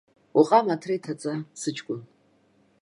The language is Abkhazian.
Уҟама аҭра иҭаҵа, сыҷкәын.